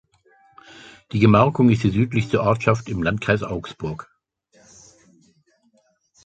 Die Gemarkung ist die südlichste Ortschaft im Landkreis Augsburg.